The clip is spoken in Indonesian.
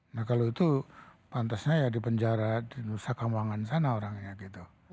nah kalau itu pantasnya ya di penjara di nusa kambangan sana orangnya gitu